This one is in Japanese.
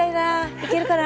行けるかな。